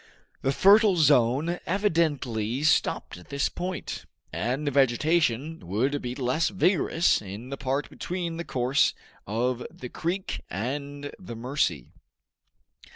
The fertile zone evidently stopped at this point, and vegetation would be less vigorous in the part between the course of the Creek and the Mercy.